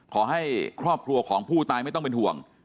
ขอให้ครอบครัวของผู้ตายไม่ต้องเป็นห่วง